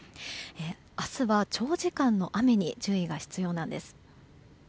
明日は、長時間の雨に注意が必要なんです。